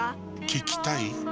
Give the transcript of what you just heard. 聞きたい？